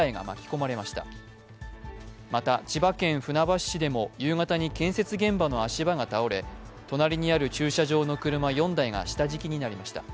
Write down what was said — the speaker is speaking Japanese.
また、千葉県船橋市でも夕方に建設現場の足場が倒れ隣にある駐車場の車４台が下敷きになりました。